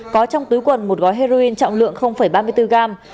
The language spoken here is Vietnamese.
có trong túi quần một gói heroin trọng lượng ba mươi bốn gram